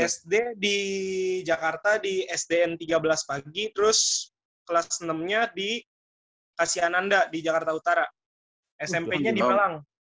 sd di jakarta di sdn tiga belas pagi terus kelas enam nya di kasiananda di jakarta utara smp nya di malang